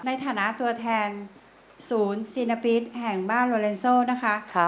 ในฐานะตัวแทนศูนย์ซีนาปิศแห่งบ้านโลเลนโซลนะคะ